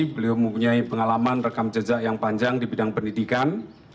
beliau mempunyai pengalaman rekam jejak yang panjang di bidang pendidikan